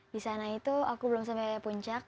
di sana itu aku belum sampai puncak